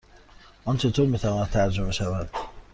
آن چطور می تواند ترجمه شود؟